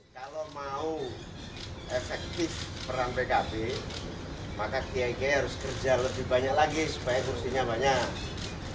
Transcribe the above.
kalau mau efektif peran pkb maka kiai kiai harus kerja lebih banyak lagi supaya kursinya banyak